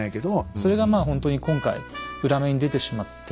それがまあほんとに今回裏目に出てしまって。